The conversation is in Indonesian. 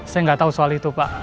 saya nggak tahu soal itu pak